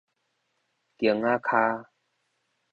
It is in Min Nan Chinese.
弓仔跤